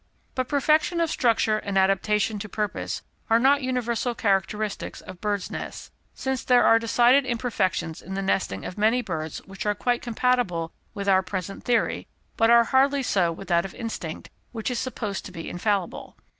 But perfection of structure and adaptation to purpose, are not universal characteristics of birds' nests, since there are decided imperfections in the nesting of many birds which are quite compatible with our present theory, but are hardly so with that of instinct, which is supposed to be infallible.